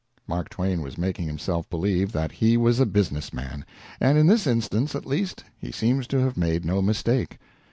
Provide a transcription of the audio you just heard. Mark Twain was making himself believe that he was a business man, and in this instance, at least, he seems to have made no mistake.